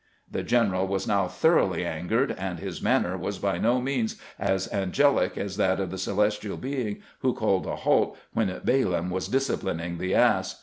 " The general was now thoroughly angered, and his manner was by no means as angelic as that of the celestial being who called a halt when Balaam was disciplining the ass.